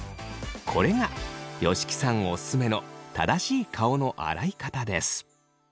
これが吉木さんオススメの正しい顔の洗い方です。